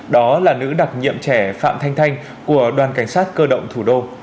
đó là nữ đặc nhiệm trẻ phạm thanh thanh của đoàn cảnh sát cơ động thủ đô